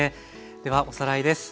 ではおさらいです。